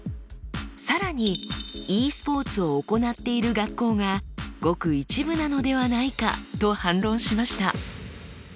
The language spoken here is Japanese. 更にｅスポーツを行っている学校がごく一部なのではないかと反論しました。